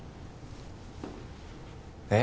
えっ？